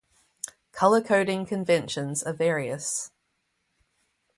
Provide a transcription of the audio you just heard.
Color-coding conventions are various.